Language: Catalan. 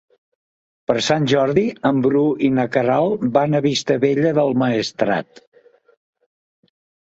Per Sant Jordi en Bru i na Queralt van a Vistabella del Maestrat.